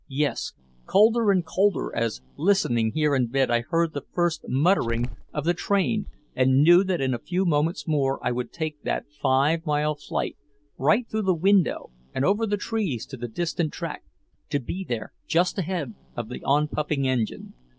Yes, colder and colder, as listening here in bed I heard the first muttering of the train and knew that in a few moments more I would take that five mile flight, right through the window and over the trees to the distant track, to be there just ahead of the on puffing engine.